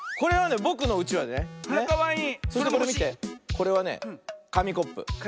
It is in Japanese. これはねかみコップ。